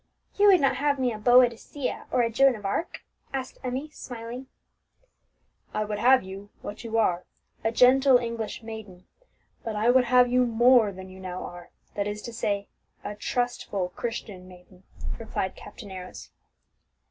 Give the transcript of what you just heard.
"You would not have me a Boadicea or a Joan of Arc?" asked Emmie, smiling. "I would have you what you are a gentle English maiden; but I would have you more than you now are, that is to say, a trustful Christian maiden," replied Captain Arrows.